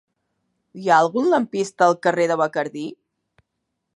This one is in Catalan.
Hi ha algun lampista al carrer de Bacardí?